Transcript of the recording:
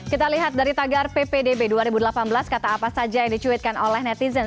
kita lihat dari tagar ppdb dua ribu delapan belas kata apa saja yang dicuitkan oleh netizen